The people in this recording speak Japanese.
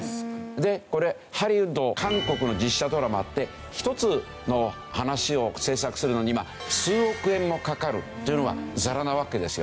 でこれハリウッド韓国の実写ドラマって１つの話を制作するのに数億円もかかるというのがざらなわけですよね。